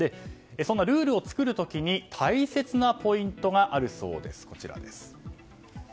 ルールを作る時に大切なポイントがあるそうです。